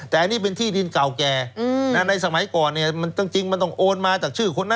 แต่อันนี้เป็นที่ดินเก่าแก่ในสมัยก่อนเนี่ยมันจริงมันต้องโอนมาจากชื่อคนนั้น